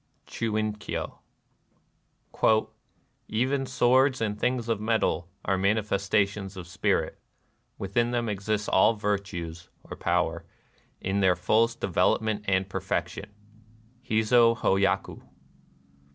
— Chit in kyo." " Even swords and things of metal are manifestations of spirit : within them exist all virtues [or ''power '] in their fullest development and perfection." — Hiz6 h6 taku.